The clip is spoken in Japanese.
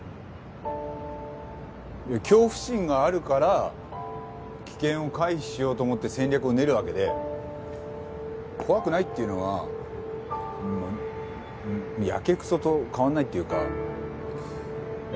いや恐怖心があるから危険を回避しようと思って戦略を練るわけで怖くないっていうのはやけくそと変わらないっていうかうん。